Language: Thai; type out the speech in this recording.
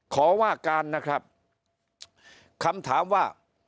ขอว่าการนะครับคำถามว่า